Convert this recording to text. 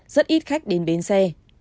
rất ít khách đến bến xe